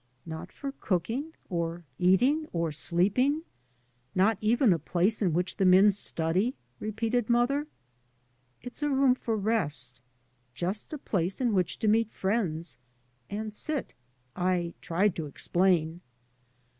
" Not for cook ing or eating or sleeping — not even a place in which the men study? " repeated mother. *' It's a room for rest. Just a place in which to meet friends — and sit," I tried to explain.